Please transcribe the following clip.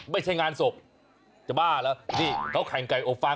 ไม่ใช่งานศพจะบ้าเหรอนี่เขาแข่งไก่อบฟาง